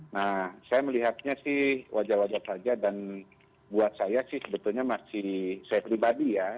nah saya melihatnya sih wajar wajar saja dan buat saya sih sebetulnya masih saya pribadi ya